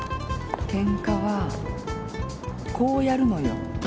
ケンカはこうやるのよ。